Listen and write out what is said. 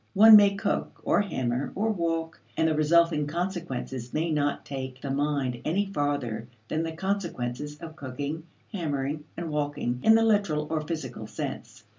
One may cook, or hammer, or walk, and the resulting consequences may not take the mind any farther than the consequences of cooking, hammering, and walking in the literal or physical sense.